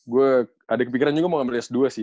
gue ada kepikiran juga mau ambil s dua sih